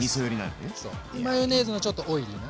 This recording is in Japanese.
でマヨネーズのちょっとオイリーな。